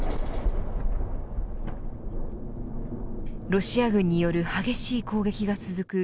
ロシア軍による激しい攻撃が続く